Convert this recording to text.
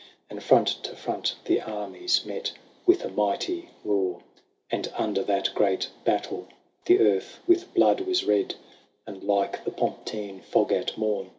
109 And front to front the armies Met with a mighty roar : And under that great battle The earth with blood was red ; And, like the Pomptine fog at morn.